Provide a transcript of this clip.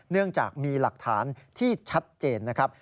เนื่องจากมีหลักฐานที่ชัดเจนนะครับ